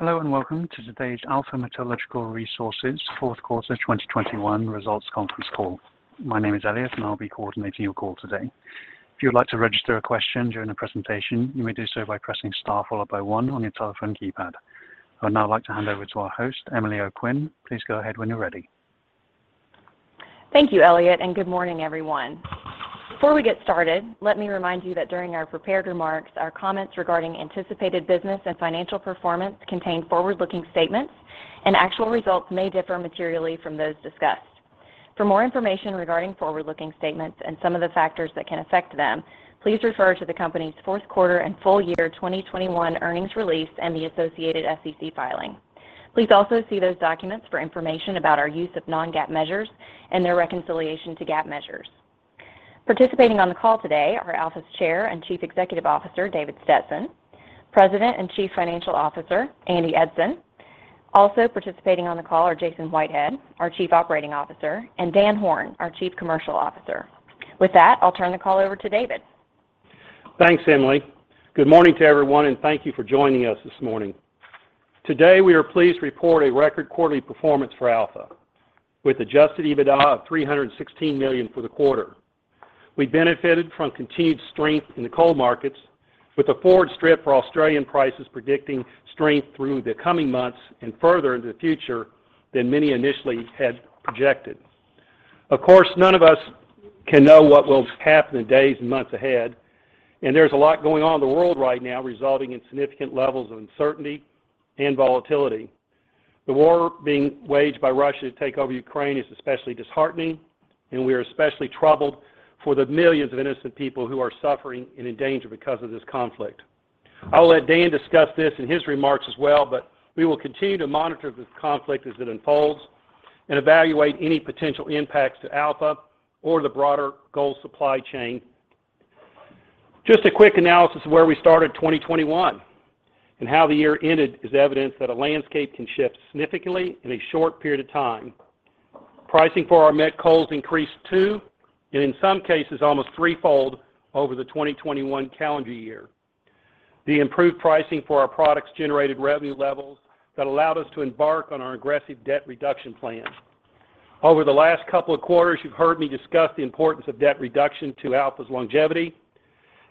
Hello, and welcome to today's Alpha Metallurgical Resources fourth quarter 2021 results conference call. My name is Elliot, and I'll be coordinating your call today. If you would like to register a question during the presentation, you may do so by pressing star followed by one on your telephone keypad. I would now like to hand over to our host, Emily O'Quinn. Please go ahead when you're ready. Thank you, Elliot, and good morning, everyone. Before we get started, let me remind you that during our prepared remarks, our comments regarding anticipated business and financial performance contain forward-looking statements, and actual results may differ materially from those discussed. For more information regarding forward-looking statements and some of the factors that can affect them, please refer to the company's fourth quarter and full year 2021 earnings release and the associated SEC filing. Please also see those documents for information about our use of non-GAAP measures and their reconciliation to GAAP measures. Participating on the call today are Alpha's Chair and Chief Executive Officer, David Stetson, President and Chief Financial Officer, Andy Eidson. Also participating on the call are Jason Whitehead, our Chief Operating Officer, and Dan Horn, our Chief Commercial Officer. With that, I'll turn the call over to David. Thanks, Emily. Good morning to everyone, and thank you for joining us this morning. Today, we are pleased to report a record quarterly performance for Alpha, with Adjusted EBITDA of $316 million for the quarter. We benefited from continued strength in the coal markets with a forward strip for Australian prices predicting strength through the coming months and further into the future than many initially had projected. Of course, none of us can know what will happen in days and months ahead, and there's a lot going on in the world right now resulting in significant levels of uncertainty and volatility. The war being waged by Russia to take over Ukraine is especially disheartening, and we are especially troubled for the millions of innocent people who are suffering and in danger because of this conflict. I will let Dan discuss this in his remarks as well, but we will continue to monitor this conflict as it unfolds and evaluate any potential impacts to Alpha or the broader coal supply chain. Just a quick analysis of where we started 2021 and how the year ended is evidence that a landscape can shift significantly in a short period of time. Pricing for our met coals increased twofold, and in some cases almost threefold over the 2021 calendar year. The improved pricing for our products generated revenue levels that allowed us to embark on our aggressive debt reduction plan. Over the last couple of quarters, you've heard me discuss the importance of debt reduction to Alpha's longevity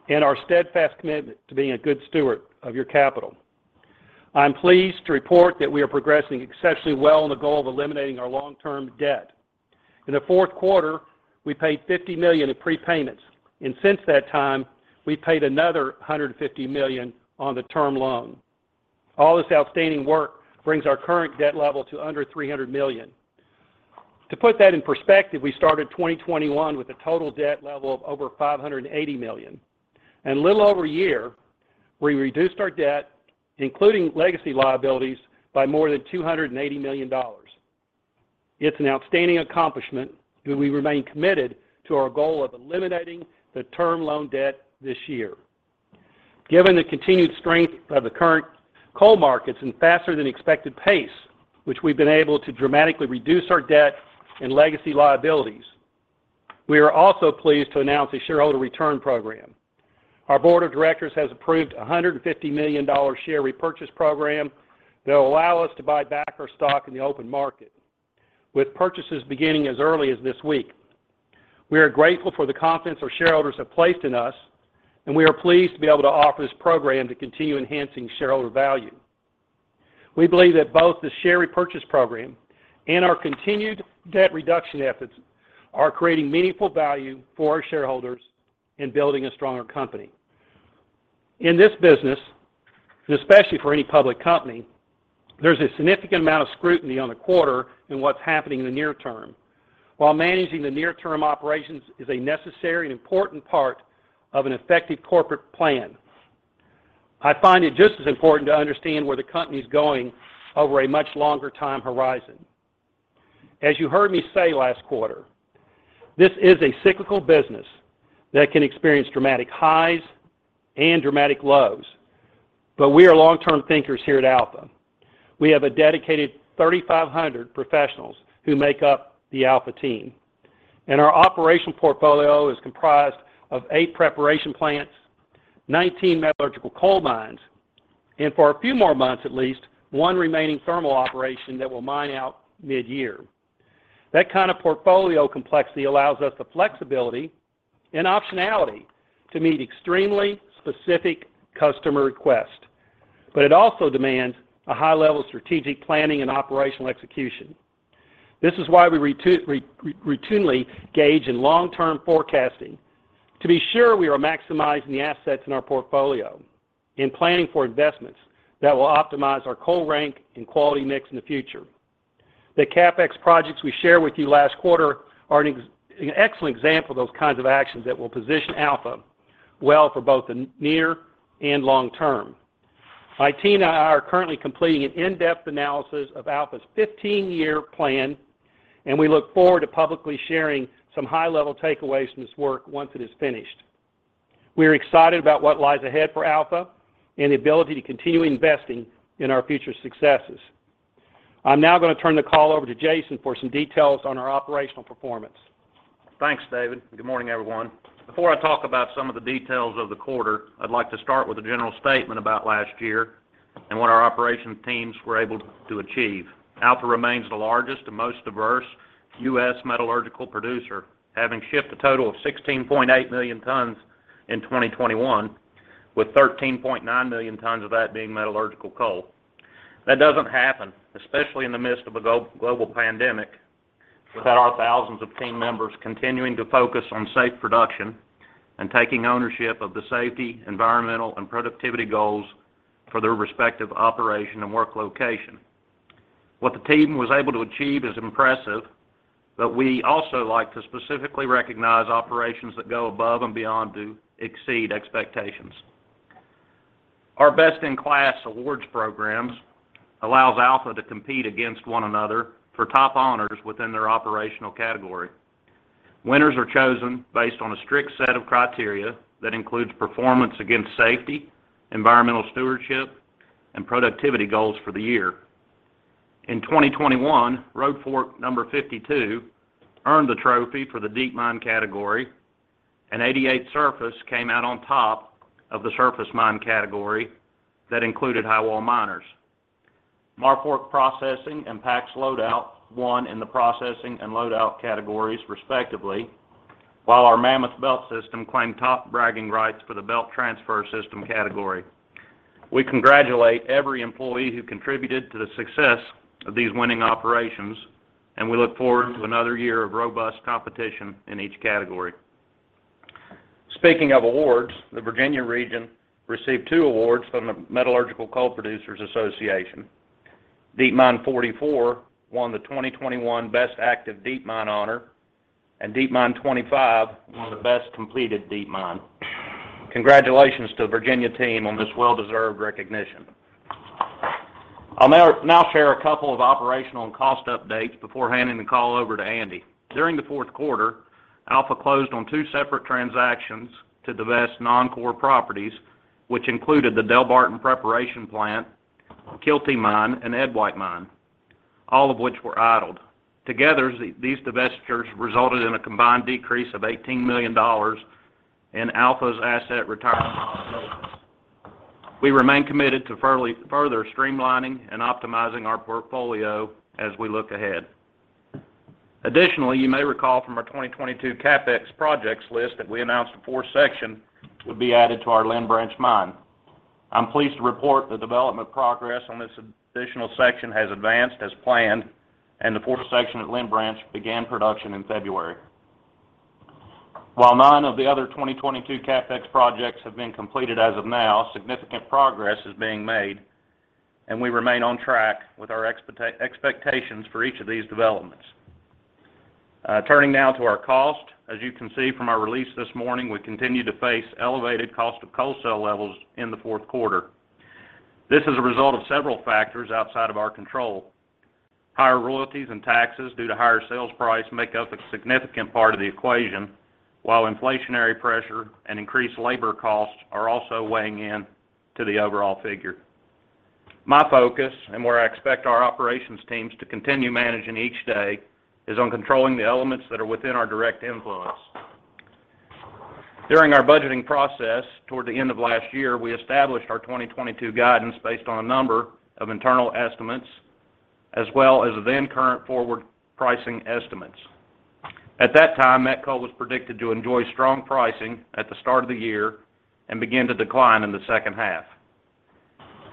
and our steadfast commitment to being a good steward of your capital. I'm pleased to report that we are progressing exceptionally well on the goal of eliminating our long-term debt. In the fourth quarter, we paid $50 million in prepayments, and since that time, we paid another $150 million on the term loan. All this outstanding work brings our current debt level to under $300 million. To put that in perspective, we started 2021 with a total debt level of over $580 million. In a little over a year, we reduced our debt, including legacy liabilities, by more than $280 million. It's an outstanding accomplishment, and we remain committed to our goal of eliminating the term loan debt this year. Given the continued strength of the current coal markets and faster than expected pace, which we've been able to dramatically reduce our debt and legacy liabilities, we are also pleased to announce a shareholder return program. Our board of directors has approved a $150 million share repurchase program that will allow us to buy back our stock in the open market, with purchases beginning as early as this week. We are grateful for the confidence our shareholders have placed in us, and we are pleased to be able to offer this program to continue enhancing shareholder value. We believe that both the share repurchase program and our continued debt reduction efforts are creating meaningful value for our shareholders in building a stronger company. In this business, especially for any public company, there's a significant amount of scrutiny on the quarter and what's happening in the near term. While managing the near term operations is a necessary and important part of an effective corporate plan, I find it just as important to understand where the company is going over a much longer time horizon. As you heard me say last quarter, this is a cyclical business that can experience dramatic highs and dramatic lows, but we are long-term thinkers here at Alpha. We have a dedicated 3,500 professionals who make up the Alpha team, and our operation portfolio is comprised of eight preparation plants, 19 metallurgical coal mines, and for a few more months at least, one remaining thermal operation that will mine out mid-year. That kind of portfolio complexity allows us the flexibility and optionality to meet extremely specific customer requests, but it also demands a high level of strategic planning and operational execution. This is why we routinely gauge in long-term forecasting to be sure we are maximizing the assets in our portfolio in planning for investments that will optimize our coal rank and quality mix in the future. The CapEx projects we shared with you last quarter are an excellent example of those kinds of actions that will position Alpha well for both the near and long term. My team and I are currently completing an in-depth analysis of Alpha's 15-year plan, and we look forward to publicly sharing some high-level takeaways from this work once it is finished. We are excited about what lies ahead for Alpha and the ability to continue investing in our future successes. I'm now gonna turn the call over to Jason for some details on our operational performance. Thanks, David. Good morning, everyone. Before I talk about some of the details of the quarter, I'd like to start with a general statement about last year and what our operations teams were able to achieve. Alpha remains the largest and most diverse U.S. metallurgical producer, having shipped a total of 16.8 million tons in 2021, with 13.9 million tons of that being metallurgical coal. That doesn't happen, especially in the midst of a global pandemic, without our thousands of team members continuing to focus on safe production and taking ownership of the safety, environmental, and productivity goals for their respective operation and work location. What the team was able to achieve is impressive, but we also like to specifically recognize operations that go above and beyond to exceed expectations. Our best-in-class awards programs allows Alpha to compete against one another for top honors within their operational category. Winners are chosen based on a strict set of criteria that includes performance against safety, environmental stewardship, and productivity goals for the year. In 2021, Road Fork number 52 earned the trophy for the deep mine category, and 88 Surface came out on top of the surface mine category that included high wall miners. Marfork Processing and Pax Loadout won in the processing and loadout categories respectively, while our Mammoth Belt System claimed top bragging rights for the belt transfer system category. We congratulate every employee who contributed to the success of these winning operations, and we look forward to another year of robust competition in each category. Speaking of awards, the Virginia region received two awards from the Metallurgical Coal Producers Association. Deep Mine 44 won the 2021 Best Active Deep Mine honor, and Deep Mine 25 won the Best Completed Deep Mine. Congratulations to the Virginia team on this well-deserved recognition. I'll now share a couple of operational and cost updates before handing the call over to Andy. During the fourth quarter, Alpha closed on two separate transactions to divest non-core properties, which included the Delbarton preparation plant, Kielty Mine, and Edwight Mine, all of which were idled. Together, these divestitures resulted in a combined decrease of $18 million in Alpha's asset retirement liabilities. We remain committed to further streamlining and optimizing our portfolio as we look ahead. Additionally, you may recall from our 2022 CapEx projects list that we announced a fourth section would be added to our Lynn Branch mine. I'm pleased to report the development progress on this additional section has advanced as planned, and the fourth section at Lynn Branch began production in February. While none of the other 2022 CapEx projects have been completed as of now, significant progress is being made and we remain on track with our expectations for each of these developments. Turning now to our costs. As you can see from our release this morning, we continue to face elevated costs of coal sales levels in the fourth quarter. This is a result of several factors outside of our control. Higher royalties and taxes due to higher sales price make up a significant part of the equation, while inflationary pressure and increased labor costs are also weighing in to the overall figure. My focus, and where I expect our operations teams to continue managing each day, is on controlling the elements that are within our direct influence. During our budgeting process toward the end of last year, we established our 2022 guidance based on a number of internal estimates as well as then current forward pricing estimates. At that time, met coal was predicted to enjoy strong pricing at the start of the year and begin to decline in the second half.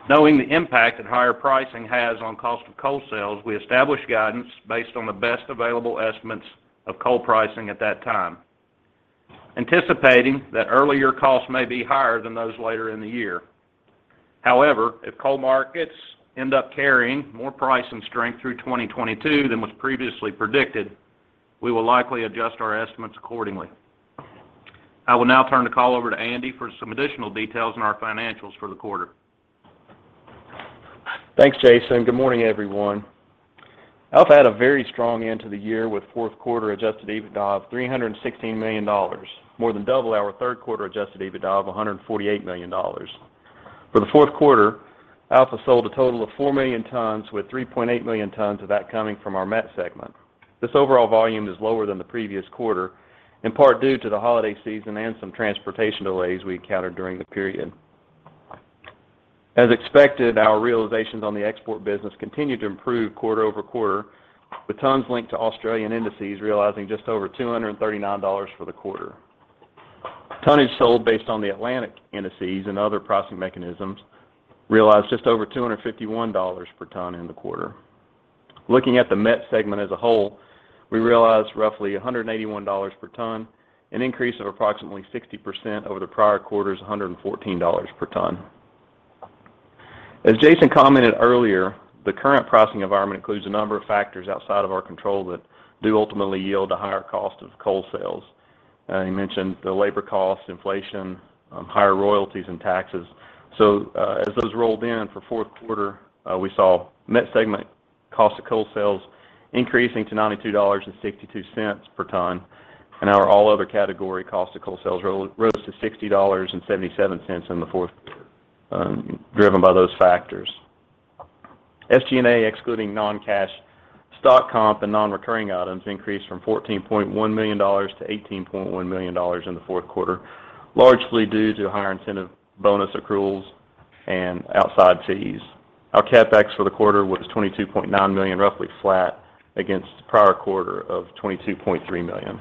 Knowing the impact that higher pricing has on cost of coal sales, we established guidance based on the best available estimates of coal pricing at that time, anticipating that earlier costs may be higher than those later in the year. However, if coal markets end up carrying more price and strength through 2022 than was previously predicted, we will likely adjust our estimates accordingly. I will now turn the call over to Andy for some additional details on our financials for the quarter. Thanks, Jason. Good morning, everyone. Alpha had a very strong end to the year with fourth quarter Adjusted EBITDA of $316 million, more than double our third quarter Adjusted EBITDA of $148 million. For the fourth quarter, Alpha sold a total of 4 million tons, with 3.8 million tons of that coming from our met segment. This overall volume is lower than the previous quarter, in part due to the holiday season and some transportation delays we encountered during the period. As expected, our realizations on the export business continued to improve quarter-over-quarter, with tons linked to Australian indices realizing just over $239 for the quarter. Tonnage sold based on the Atlantic indices and other pricing mechanisms realized just over $251 per ton in the quarter. Looking at the met segment as a whole, we realized roughly $181 per ton, an increase of approximately 60% over the prior quarter's $114 per ton. As Jason commented earlier, the current pricing environment includes a number of factors outside of our control that do ultimately yield a higher cost of coal sales. He mentioned the labor costs, inflation, higher royalties and taxes. As those rolled in for fourth quarter, we saw met segment cost of coal sales increasing to $92.62 per ton and our all other category cost of coal sales rose to $60.77 in the fourth quarter, driven by those factors. SG&A excluding non-cash stock comp and non-recurring items increased from $14.1 million to $18.1 million in the fourth quarter, largely due to higher incentive bonus accruals and outside fees. Our CapEx for the quarter was $22.9 million, roughly flat against the prior quarter of $22.3 million.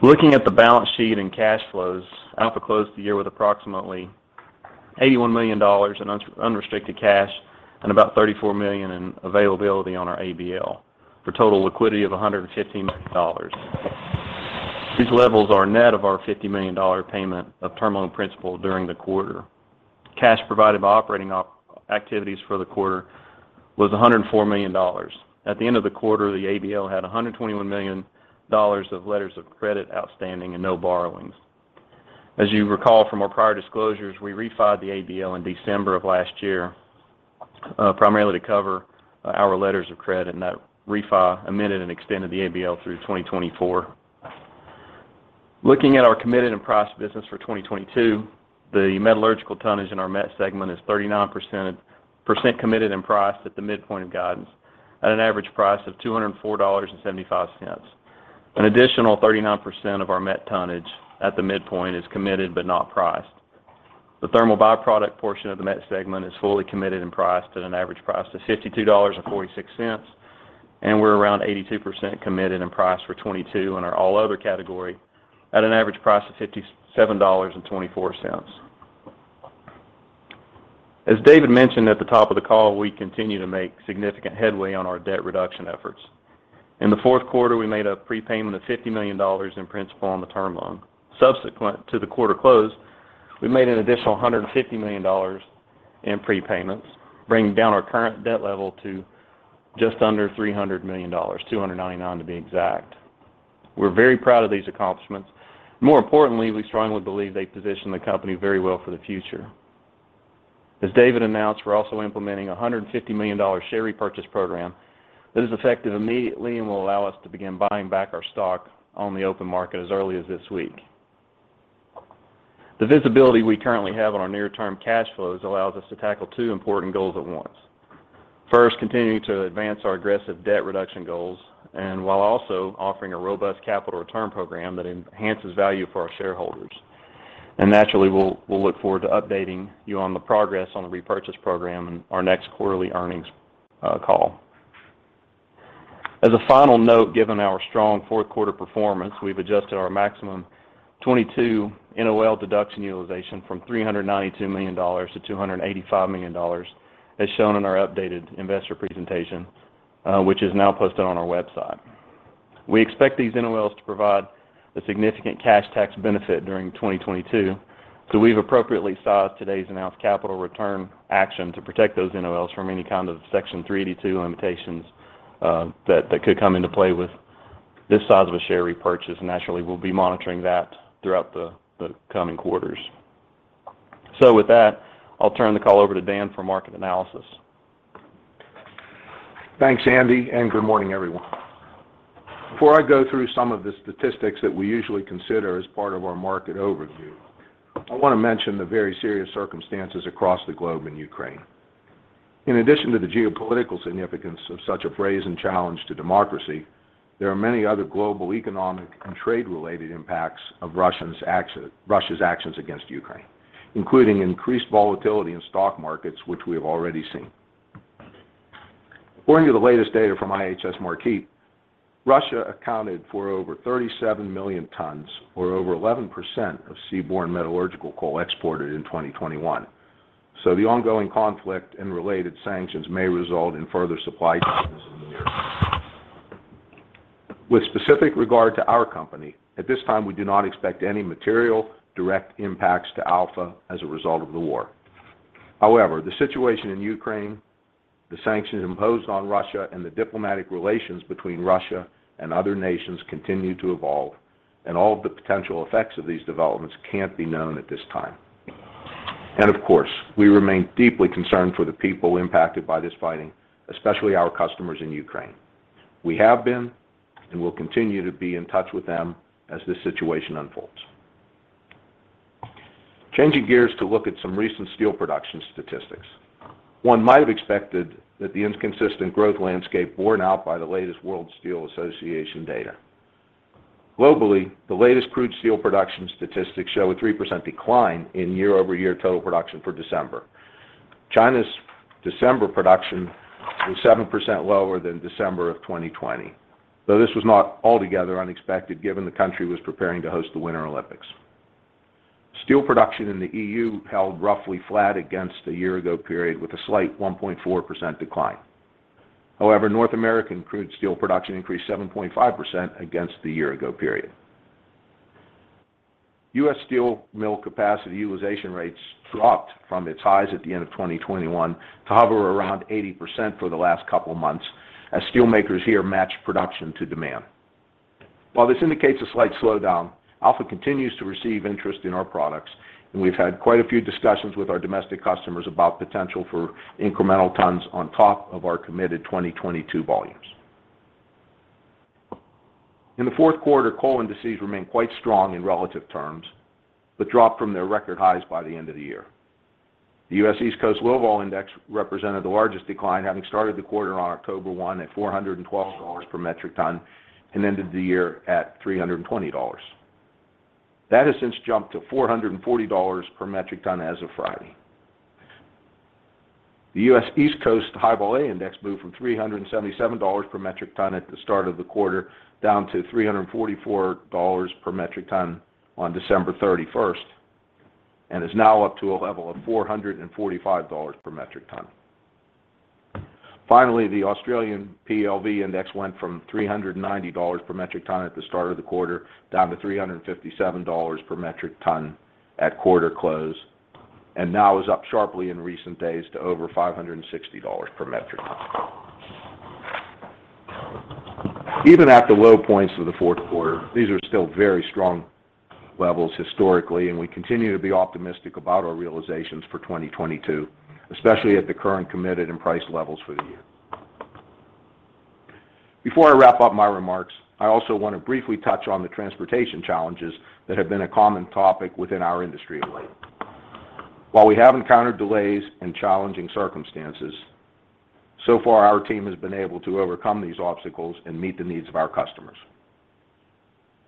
Looking at the balance sheet and cash flows, Alpha closed the year with approximately $81 million in unrestricted cash and about $34 million in availability on our ABL for total liquidity of $115 million. These levels are net of our $50 million payment of term loan principal during the quarter. Cash provided by operating activities for the quarter was $104 million. At the end of the quarter, the ABL had $121 million of letters of credit outstanding and no borrowings. As you recall from our prior disclosures, we refinanced the ABL in December of last year, primarily to cover our letters of credit and that refi amended and extended the ABL through 2024. Looking at our committed and priced business for 2022, the metallurgical tonnage in our met segment is 39% committed and priced at the midpoint of guidance at an average price of $204.75. An additional 39% of our met tonnage at the midpoint is committed but not priced. The thermal byproduct portion of the met segment is fully committed and priced at an average price of $52.46, and we're around 82% committed and priced for 2022 in our all other category at an average price of $57.24. As David mentioned at the top of the call, we continue to make significant headway on our debt reduction efforts. In the fourth quarter, we made a prepayment of $50 million in principal on the term loan. Subsequent to the quarter close, we made an additional $150 million in prepayments, bringing down our current debt level to just under $300 million, $299 million to be exact. We're very proud of these accomplishments. More importantly, we strongly believe they position the company very well for the future. As David announced, we're also implementing a $150 million share repurchase program that is effective immediately and will allow us to begin buying back our stock on the open market as early as this week. The visibility we currently have on our near-term cash flows allows us to tackle two important goals at once. First, continuing to advance our aggressive debt reduction goals and while also offering a robust capital return program that enhances value for our shareholders. Naturally we'll look forward to updating you on the progress on the repurchase program in our next quarterly earnings call. As a final note, given our strong fourth quarter performance, we've adjusted our maximum 2022 NOL deduction utilization from $392 million-$285 million, as shown in our updated investor presentation, which is now posted on our website. We expect these NOLs to provide a significant cash tax benefit during 2022, so we've appropriately sized today's announced capital return action to protect those NOLs from any kind of Section 382 limitations, that could come into play with this size of a share repurchase. Naturally, we'll be monitoring that throughout the coming quarters. With that, I'll turn the call over to Dan for market analysis. Thanks, Andy, and good morning, everyone. Before I go through some of the statistics that we usually consider as part of our market overview, I wanna mention the very serious circumstances across the globe in Ukraine. In addition to the geopolitical significance of such a brazen challenge to democracy, there are many other global economic and trade-related impacts of Russia's actions against Ukraine, including increased volatility in stock markets, which we have already seen. According to the latest data from IHS Markit, Russia accounted for over 37 million tons or over 11% of seaborne metallurgical coal exported in 2021. The ongoing conflict and related sanctions may result in further supply disruptions in the year. With specific regard to our company, at this time we do not expect any material direct impacts to Alpha as a result of the war. However, the situation in Ukraine, the sanctions imposed on Russia, and the diplomatic relations between Russia and other nations continue to evolve, and all of the potential effects of these developments can't be known at this time. Of course, we remain deeply concerned for the people impacted by this fighting, especially our customers in Ukraine. We have been and will continue to be in touch with them as this situation unfolds. Changing gears to look at some recent steel production statistics. One might have expected that the inconsistent growth landscape borne out by the latest World Steel Association data. Globally, the latest crude steel production statistics show a 3% decline in year-over-year total production for December. China's December production was 7% lower than December of 2020, though this was not altogether unexpected given the country was preparing to host the Winter Olympics. Steel production in the EU held roughly flat against the year ago period with a slight 1.4% decline. However, North American crude steel production increased 7.5% against the year ago period. U.S. steel mill capacity utilization rates dropped from its highs at the end of 2021 to hover around 80% for the last couple months as steel makers here match production to demand. While this indicates a slight slowdown, Alpha continues to receive interest in our products, and we've had quite a few discussions with our domestic customers about potential for incremental tons on top of our committed 2022 volumes. In the fourth quarter, coal indices remained quite strong in relative terms, but dropped from their record highs by the end of the year. The U.S. East Coast low vol index represented the largest decline, having started the quarter on October 1 at $412 per metric ton and ended the year at $320. That has since jumped to $440 per metric ton as of Friday. The U.S. East Coast high vol A index moved from $377 per metric ton at the start of the quarter down to $344 per metric ton on December 31st, and is now up to a level of $445 per metric ton. Finally, the Australian PLV index went from $390 per metric ton at the start of the quarter, down to $357 per metric ton at quarter close, and now is up sharply in recent days to over $560 per metric ton. Even at the low points of the fourth quarter, these are still very strong levels historically, and we continue to be optimistic about our realizations for 2022, especially at the current committed and priced levels for the year. Before I wrap up my remarks, I also want to briefly touch on the transportation challenges that have been a common topic within our industry of late. While we have encountered delays and challenging circumstances, so far our team has been able to overcome these obstacles and meet the needs of our customers.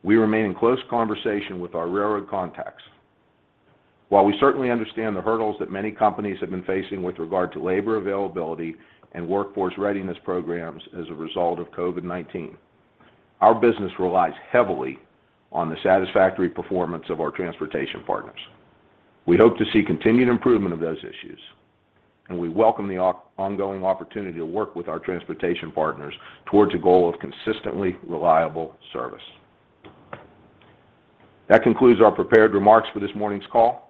We remain in close conversation with our railroad contacts. While we certainly understand the hurdles that many companies have been facing with regard to labor availability and workforce readiness programs as a result of COVID-19, our business relies heavily on the satisfactory performance of our transportation partners. We hope to see continued improvement of those issues, and we welcome the ongoing opportunity to work with our transportation partners towards a goal of consistently reliable service. That concludes our prepared remarks for this morning's call.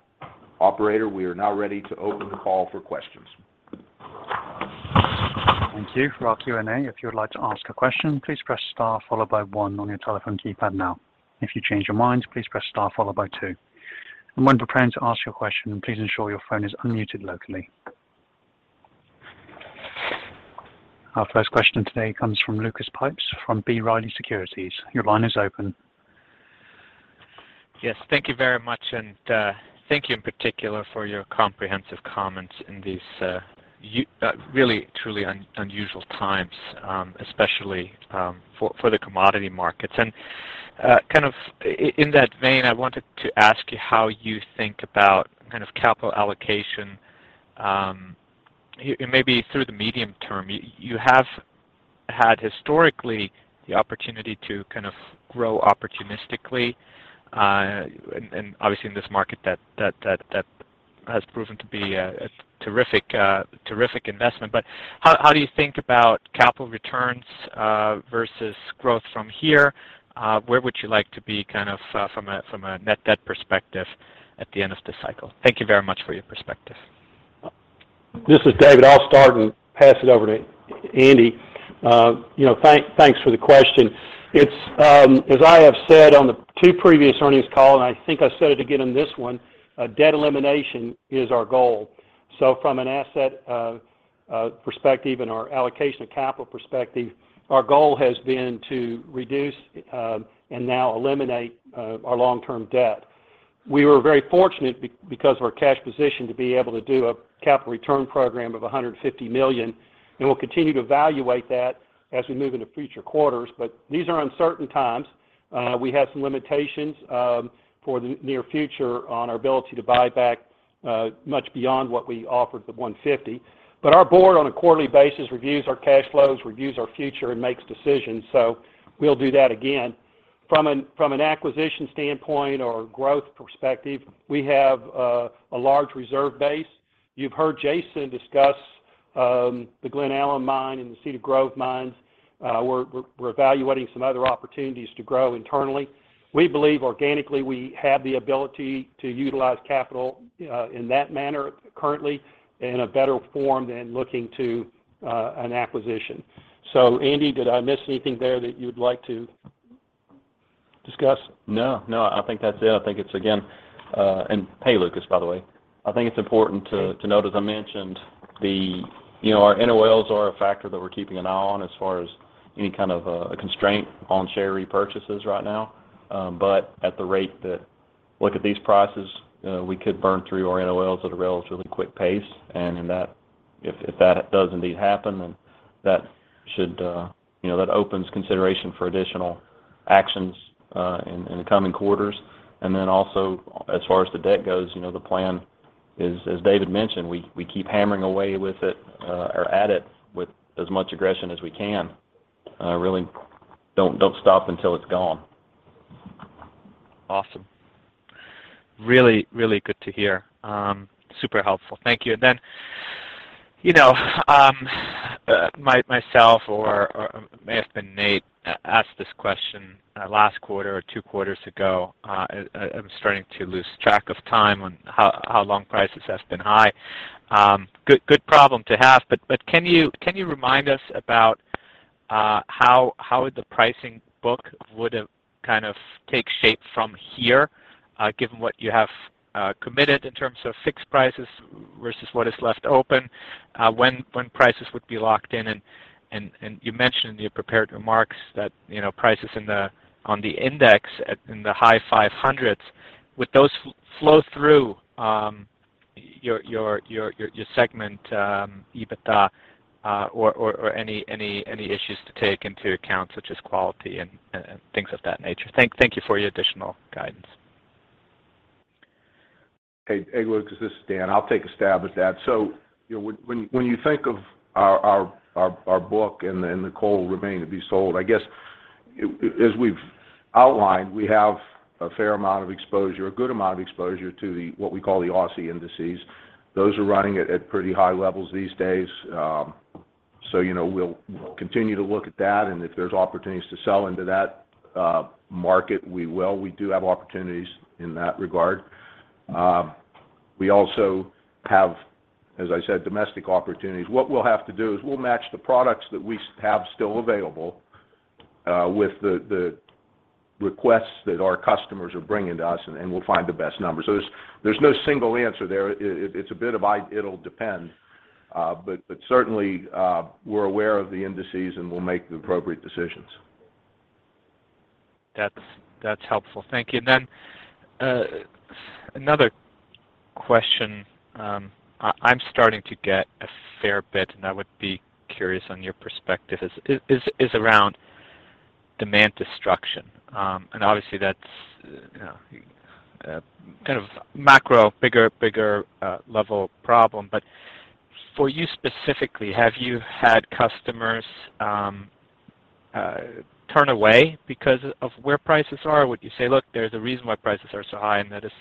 Operator, we are now ready to open the call for questions. Thank you. Our first question today comes from Lucas Pipes from B. Riley Securities. Your line is open. Yes. Thank you very much. Thank you in particular for your comprehensive comments in these really truly unusual times, especially for the commodity markets. Kind of in that vein, I wanted to ask you how you think about kind of capital allocation and maybe through the medium term. You have Had historically the opportunity to kind of grow opportunistically, and obviously in this market that has proven to be a terrific investment. How do you think about capital returns versus growth from here? Where would you like to be kind of from a net debt perspective at the end of this cycle? Thank you very much for your perspective. This is David. I'll start and pass it over to Andy. You know, thanks for the question. It's as I have said on the two previous earnings calls, and I think I said it again on this one, debt elimination is our goal. From an asset perspective and our allocation of capital perspective, our goal has been to reduce and now eliminate our long-term debt. We were very fortunate because of our cash position to be able to do a capital return program of $150 million, and we'll continue to evaluate that as we move into future quarters. These are uncertain times. We have some limitations for the near future on our ability to buy back much beyond what we offered, the $150 million. Our board on a quarterly basis reviews our cash flows, reviews our future, and makes decisions. We'll do that again. From an acquisition standpoint or growth perspective, we have a large reserve base. You've heard Jason discuss the Glen Allen mine and the Cedar Grove mines. We're evaluating some other opportunities to grow internally. We believe organically we have the ability to utilize capital in that manner currently in a better form than looking to an acquisition. Andy, did I miss anything there that you'd like to discuss? No, no. I think that's it. I think it's, again, and hey, Lucas, by the way. I think it's important to note, as I mentioned, you know, our NOLs are a factor that we're keeping an eye on as far as any kind of a constraint on share repurchases right now. But at the rate, look at these prices, we could burn through our NOLs at a relatively quick pace. If that does indeed happen, then that should, you know, that opens consideration for additional actions in the coming quarters. Then also as far as the debt goes, you know, the plan is, as David mentioned, we keep hammering away with it or at it with as much aggression as we can. Really don't stop until it's gone. Awesome. Really good to hear. Super helpful. Thank you. You know, myself or it may have been Nate asked this question last quarter or two quarters ago. I'm starting to lose track of time on how long prices have been high. Good problem to have, but can you remind us about how the pricing book would have kind of take shape from here, given what you have committed in terms of fixed prices versus what is left open, when prices would be locked in? You mentioned in your prepared remarks that, you know, prices on the index in the high 500s. Would those flow through your segment EBITDA or any issues to take into account such as quality and things of that nature? Thank you for your additional guidance. Hey, Lucas, this is Dan. I'll take a stab at that. You know, when you think of our book and then the coal remaining to be sold, I guess as we've outlined, we have a fair amount of exposure, a good amount of exposure to what we call the Aussie indices. Those are running at pretty high levels these days. You know, we'll continue to look at that, and if there's opportunities to sell into that market, we will. We do have opportunities in that regard. We also have, as I said, domestic opportunities. What we'll have to do is we'll match the products that we have still available with the requests that our customers are bringing to us, and we'll find the best numbers. There's no single answer there. It's a bit of it. It'll depend. Certainly, we're aware of the indices, and we'll make the appropriate decisions. That's helpful. Thank you. Another question, I'm starting to get a fair bit, and I would be curious on your perspective is around demand destruction. Obviously that's, you know, kind of macro, bigger level problem. For you specifically, have you had customers turn away because of where prices are? Would you say, look, there's a reason why prices are so high, and that is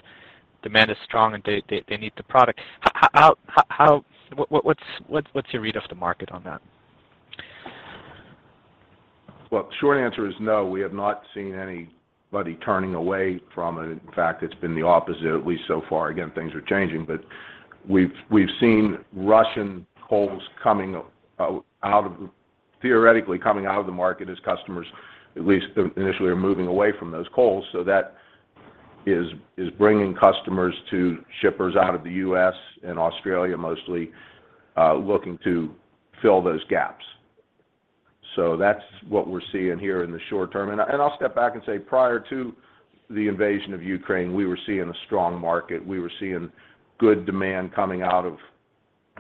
demand is strong, and they need the product. How, what's your read of the market on that? Well, short answer is no. We have not seen anybody turning away from it. In fact, it's been the opposite, at least so far. Again, things are changing, but we've seen Russian coals coming out of the market theoretically as customers at least initially are moving away from those coals. That is bringing customers to shippers out of the U.S. and Australia mostly, looking to fill those gaps. That's what we're seeing here in the short term. I'll step back and say prior to the invasion of Ukraine, we were seeing a strong market. We were seeing good demand coming out of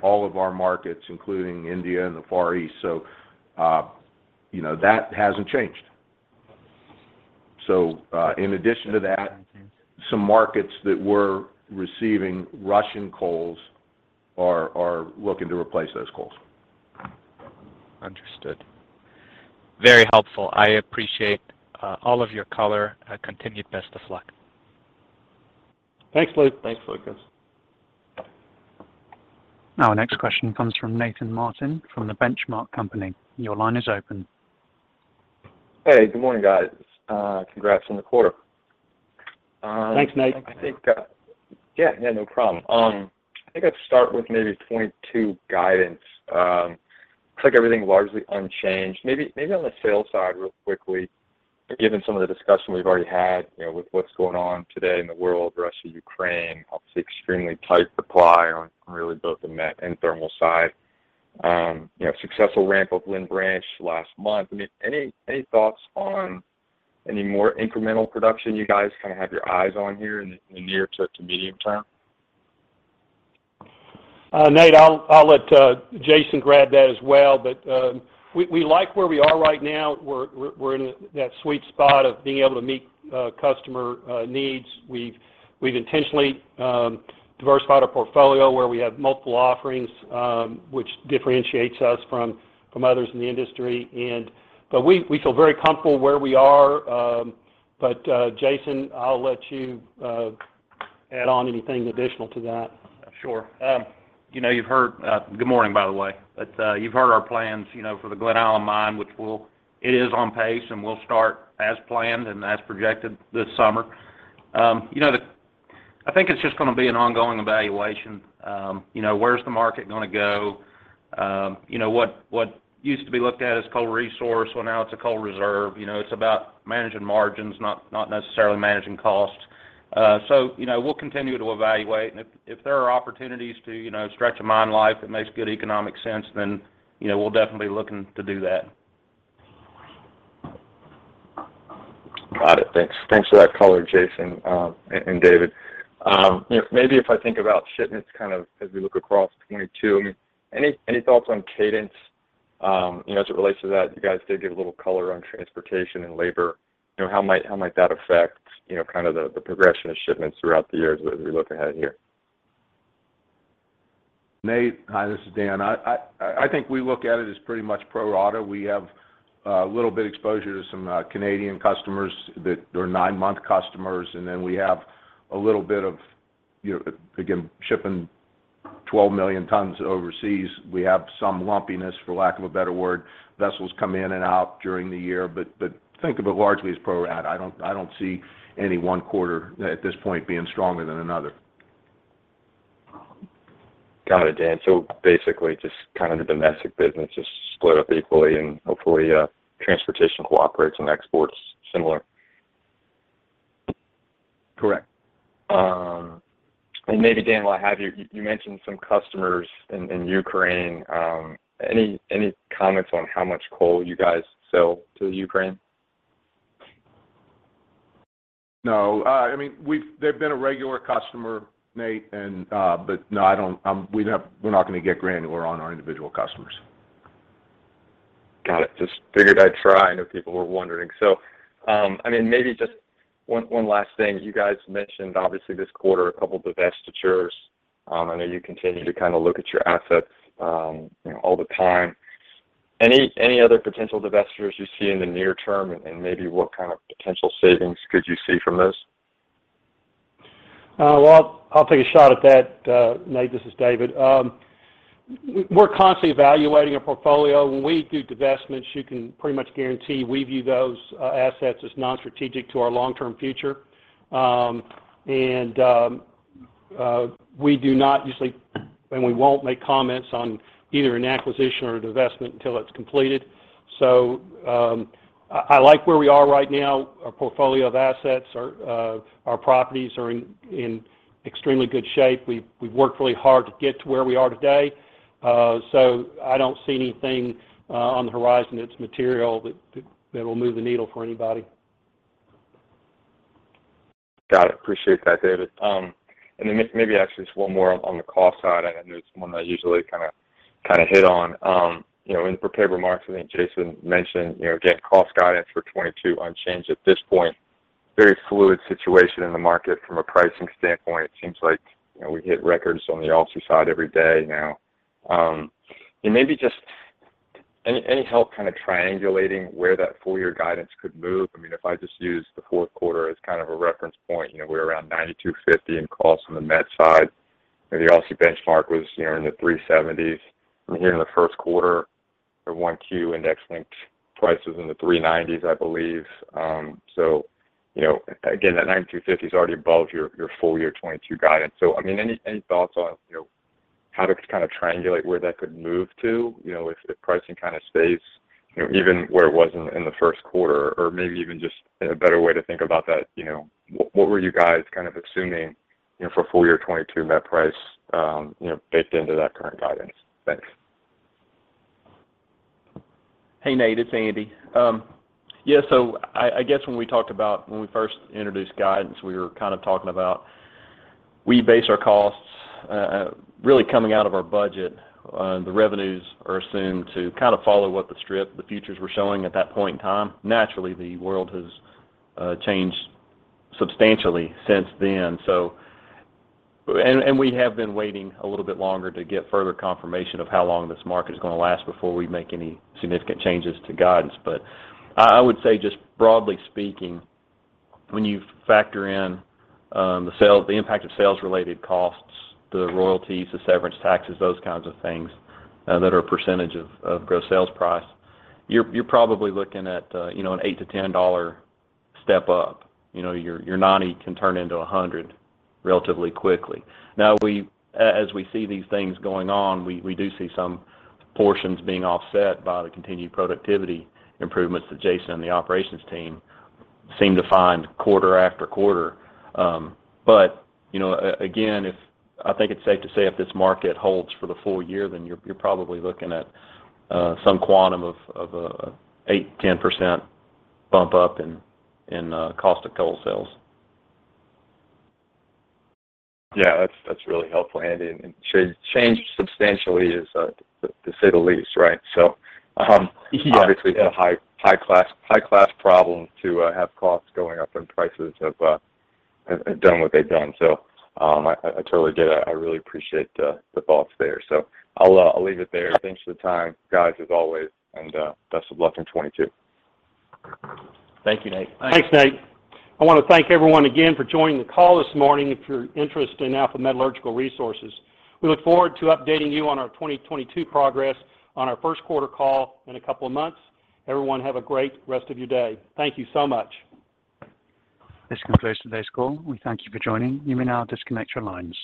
all of our markets, including India and the Far East. You know, that hasn't changed. In addition to that, some markets that were receiving Russian coals are looking to replace those coals. Understood. Very helpful. I appreciate all of your color. Continued best of luck. Thanks, Luke. Thanks, Lucas. Now our next question comes from Nathan Martin from The Benchmark Company. Your line is open. Hey, good morning, guys. Congrats on the quarter. Thanks, Nate. I think. Yeah, no problem. I think I'd start with maybe 2022 guidance. Looks like everything largely unchanged. Maybe on the sales side real quickly, given some of the discussion we've already had, you know, with what's going on today in the world, Russia, Ukraine, obviously extremely tight supply on really both the met and thermal side. You know, successful ramp of Lynn Branch last month. I mean, any thoughts on any more incremental production you guys kind of have your eyes on here in the near to medium term? Nate, I'll let Jason grab that as well. We like where we are right now. We're in that sweet spot of being able to meet customer needs. We've intentionally diversified our portfolio where we have multiple offerings, which differentiates us from others in the industry. We feel very comfortable where we are. Jason, I'll let you add on anything additional to that. Sure. You know, you've heard. Good morning, by the way. You've heard our plans, you know, for the Glen Allen mine, which it is on pace, and we'll start as planned and as projected this summer. You know, I think it's just gonna be an ongoing evaluation. You know, where's the market gonna go? You know, what used to be looked at as coal resource, well, now it's a coal reserve. You know, it's about managing margins, not necessarily managing costs. You know, we'll continue to evaluate. If there are opportunities to, you know, stretch a mine life that makes good economic sense, then, you know, we'll definitely be looking to do that. Got it. Thanks. Thanks for that color, Jason, and David. You know, maybe if I think about shipments kind of as we look across 2022, I mean, any thoughts on cadence, you know, as it relates to that? You guys did give a little color on transportation and labor. You know, how might that affect, you know, kind of the progression of shipments throughout the year as we look ahead here? Nate, hi, this is Dan. I think we look at it as pretty much pro rata. We have a little bit exposure to some Canadian customers that are nine-month customers, and then we have a little bit of, you know, again, shipping 12 million tons overseas. We have some lumpiness, for lack of a better word. Vessels come in and out during the year. Think of it largely as pro rata. I don't see any one quarter at this point being stronger than another. Got it, Dan. Basically, just kind of the domestic business is split up equally, and hopefully, transportation cooperates and exports similar. Correct. Maybe, Dan, while I have you mentioned some customers in Ukraine. Any comments on how much coal you guys sell to the Ukraine? No. I mean, they've been a regular customer, Nate. But no, I don't. We're not gonna get granular on our individual customers. Got it. Just figured I'd try. I know people were wondering. I mean, maybe just one last thing. You guys mentioned obviously this quarter a couple divestitures. I know you continue to kind of look at your assets, you know, all the time. Any other potential divestitures you see in the near term, and maybe what kind of potential savings could you see from this? Well, I'll take a shot at that, Nate. This is David. We're constantly evaluating our portfolio. When we do divestments, you can pretty much guarantee we view those assets as non-strategic to our long-term future. We do not usually, and we won't make comments on either an acquisition or a divestment until it's completed. I like where we are right now. Our portfolio of assets, our properties are in extremely good shape. We've worked really hard to get to where we are today. I don't see anything on the horizon that's material that will move the needle for anybody. Got it. Appreciate that, David. Maybe actually just one more on the cost side. I know it's one I usually kinda hit on. You know, in prepared remarks, I think Jason mentioned, you know, again, cost guidance for 2022 unchanged at this point. Very fluid situation in the market from a pricing standpoint. It seems like, you know, we hit records on the Aussie side every day now. Maybe just any help kind of triangulating where that full year guidance could move? I mean, if I just use the fourth quarter as kind of a reference point, you know, we're around $92.50 in cost on the met side, and the Aussie benchmark was, you know, in the 370s. Here in the first quarter, the 1Q index-linked price was in the 390s, I believe. You know, again, that $92.50 is already above your full year 2022 guidance. I mean, any thoughts on, you know, how to kind of triangulate where that could move to? You know, if pricing kind of stays, you know, even where it was in the first quarter, or maybe even just a better way to think about that, you know, what were you guys kind of assuming, you know, for full year 2022 met price, you know, baked into that current guidance? Thanks. Hey, Nate. It's Andy. Yeah, so I guess when we talked about when we first introduced guidance, we were kind of talking about. We base our costs, really coming out of our budget, the revenues are assumed to kind of follow what the strip, the futures were showing at that point in time. Naturally, the world has changed substantially since then. We have been waiting a little bit longer to get further confirmation of how long this market is gonna last before we make any significant changes to guidance. I would say just broadly speaking, when you factor in the impact of sales-related costs, the royalties, the severance taxes, those kinds of things, that are a percentage of gross sales price, you're probably looking at, you know, an $8-$10 step up. You know, your $90 can turn into a $100 relatively quickly. As we see these things going on, we do see some portions being offset by the continued productivity improvements that Jason and the operations team seem to find quarter after quarter. You know, again, I think it's safe to say if this market holds for the full year, then you're probably looking at some quantum of 8%-10% bump up in Cost of Coal Sales. Yeah. That's really helpful, Andy. Change substantially is to say the least, right? Yeah. Obviously, it's a high class problem to have costs going up and prices have done what they've done. I totally get it. I really appreciate the thoughts there. I'll leave it there. Thanks for the time, guys, as always, and best of luck in 2022. Thank you, Nate. Thanks, Nate. I wanna thank everyone again for joining the call this morning if you're interested in Alpha Metallurgical Resources. We look forward to updating you on our 2022 progress on our first quarter call in a couple of months. Everyone, have a great rest of your day. Thank you so much. This concludes today's call. We thank you for joining. You may now disconnect your lines.